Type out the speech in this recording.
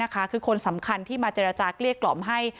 คือคนสำคัญที่มาเจรจาเกลี้ยกล่อมให้